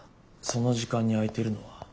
その時間に空いてるのは。